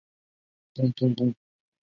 历届最多的实习职缺